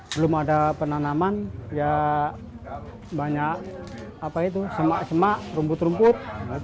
sebelum ada penanaman banyak semak semak rumput rumput